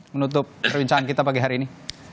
menutup perbincangan kita pagi hari ini